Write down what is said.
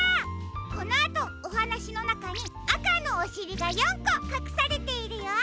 このあとおはなしのなかにあかのおしりが４こかくされているよ。